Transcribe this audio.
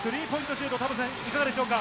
シュート、田臥さん、いかがでしょうか。